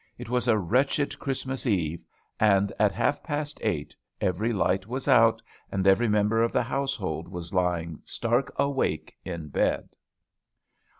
It was a wretched Christmas eve; and, at half past eight, every light was out, and every member of the household was lying stark awake, in bed.